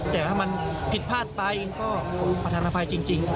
แต่ถ้ามันผิดพลาดไปก็คงประธานภัยจริง